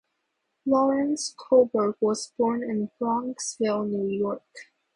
Lawrence Kohlberg was born in Bronxville, New York.